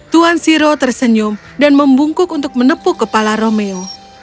tuan siro tersenyum dan membungkuk untuk menepuk kepala romeo